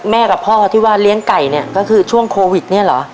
กับพ่อที่ว่าเลี้ยงไก่เนี่ยก็คือช่วงโควิดเนี่ยเหรอ